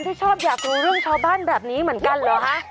ที่ชอบอยากรู้เรื่องชาวบ้านแบบนี้เหมือนกันเหรอฮะ